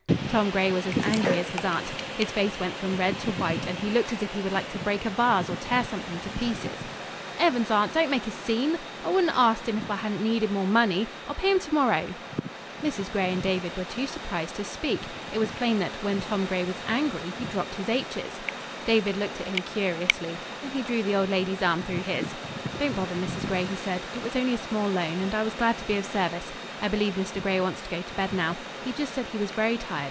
Tom Gray was as angry as his aunt. His face went from red to white, and he looked as if he would like to break a vase or tear something to pieces. "'Eavens, awnt, don't make a scene. I wouldn't a' awsked 'im, h'if I 'adn't needed more money. I'll pay him to morrow." Mrs. Gray and David were too surprised to speak. It was plain that, when Tom Gray was angry, he dropped his h's. David looked at him curiously, then he drew the old lady's arm through his. "Don't bother, Mrs. Gray," he said. "It was only a small loan, and I was glad to be of service. I believe Mr. Gray wants to go to bed now. He just said he was very tired.